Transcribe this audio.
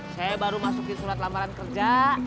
saya baru masukin surat lamaran kerja